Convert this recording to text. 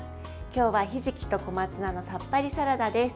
今日はひじきと小松菜のさっぱりサラダです。